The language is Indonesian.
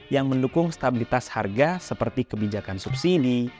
yang mendukung stabilitas harga seperti kebijakan subsidi